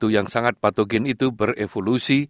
yang sangat patogen itu berevolusi